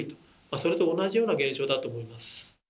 それと同じような現象だと思います。